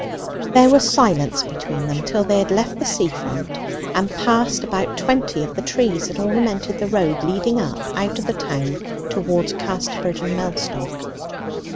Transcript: There was silence between them till they had left the sea front and passed about twenty of the trees that ornamented the road leading up out of the town towards Casterbridge and Mellstock.